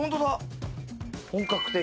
本格的。